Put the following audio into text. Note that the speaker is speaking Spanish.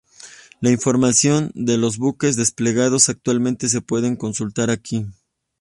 La información de los buques desplegados actualmente se puede consultar aquí.